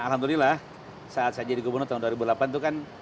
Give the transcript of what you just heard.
alhamdulillah saat saya jadi gubernur tahun dua ribu delapan